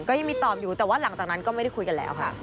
ก็ยังมีตอบอยู่แต่ว่าหลังจากนั้นก็ไม่ได้คุยกันแล้วค่ะ